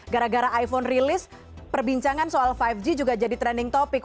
gara gara iphone rilis perbincangan soal lima g juga jadi trending topic